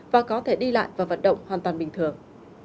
và có thể đi lại và vận động hoàn toàn bình thường